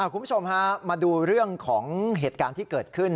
คุณผู้ชมฮะมาดูเรื่องของเหตุการณ์ที่เกิดขึ้น